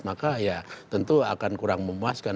maka ya tentu akan kurang memuaskan